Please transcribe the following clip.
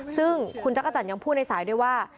ซึ่งคุณจักรจันทร์ยังพูดในสายด้วยว่า